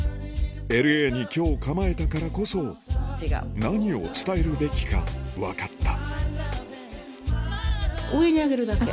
ＬＡに居を構えたからこそ何を伝えるべきか分かった上に上げるだけ。